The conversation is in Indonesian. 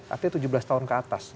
artinya tujuh belas tahun ke atas